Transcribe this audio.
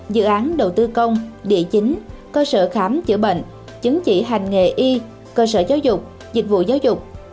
dự án đầu tư công địa chính cơ sở khám chữa bệnh chứng chỉ hành nghề y cơ sở giáo dục dịch vụ giáo dục